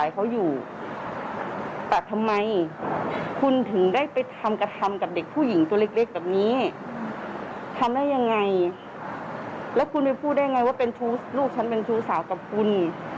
พูดได้ยังไงว่าเป็นชู้ลูกฉันเป็นชู้สาวกับคุณ